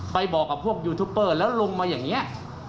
บอกกับพวกยูทูปเปอร์แล้วลงมาอย่างนี้